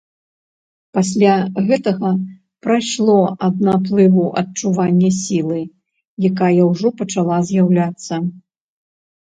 Пасля гэта прайшло ад наплыву адчування сілы, якая ўжо пачала з'яўляцца.